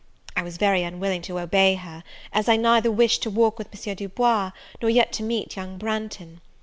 I was very unwilling to obey her, as I neither wished to walk with M. Du Bois, nor yet to meet young Branghton.